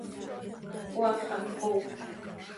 Cmaax xaa mxoofp.